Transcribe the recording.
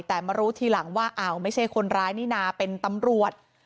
แต่มารู้ทีหลังว่าอ้าวไม่ใช่คนร้ายนี่นะเป็นตำรวจ